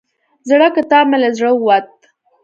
زړه کتاب مې له زړه ووت.